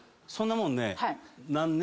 そんなもんね。